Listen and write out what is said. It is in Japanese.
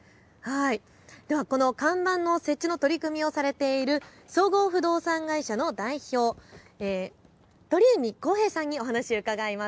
ではこの看板の設置の取り組みをされている総合不動産会社の鳥海晃平さんにお話を伺います。